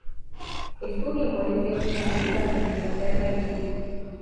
Estudia en colegios jesuitas en Inglaterra y Chile.